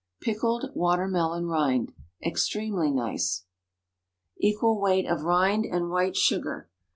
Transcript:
PICKLED WATER MELON RIND. (Extremely nice.) Equal weight of rind and white sugar.